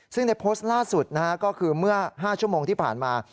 ซึ่งในโพสต์ล่าสุดก็คือเมื่อ๕ชั่วโมงที่ผ่านมา